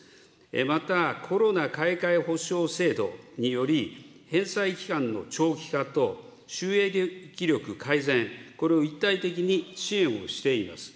またコロナほしょう制度により、返済期間の長期化と、収益力改善、これを一体的に支援をしています。